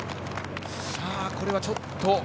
これはちょっと。